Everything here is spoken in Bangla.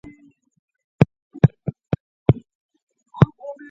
তাঁর রাজত্বকালে অল্প কয়েকজন সুফি সাধক তাঁর শাসনকে সমর্থন করেছিলেন।